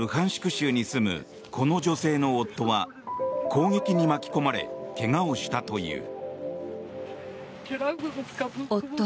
州に住むこの女性の夫は攻撃に巻き込まれ怪我をしたという。